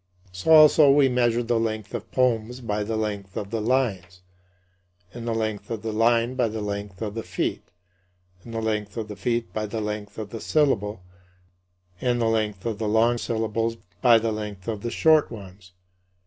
So also we measure the length of poems by the length of the lines, and the length of the line by the length of the feet, and the length of the feet by the length of the syllable, and the length of the long syllables by the length of the short ones.